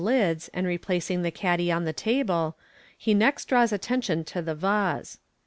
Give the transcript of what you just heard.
lids, and replacing the caddy on the * lble, he next draws attention to the vase.